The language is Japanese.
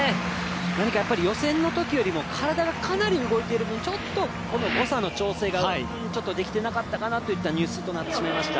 何かやっぱり予選のときよりも体がかなり動いている分ちょっと、誤差の調整ができていなかったかなという入水となってしまいました。